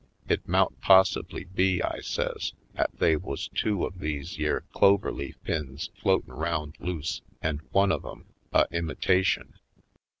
It mout possibly be," I says, " 'at they wuz two of these yere clover leaf pins floatin' round loose an' one of 'em a imitation.